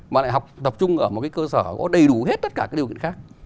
mà lại học tập trung ở một cái cơ sở có đầy đủ hết tất cả các điều kiện khác